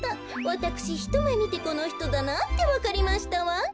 わたくしひとめみてこのひとだなってわかりましたわん。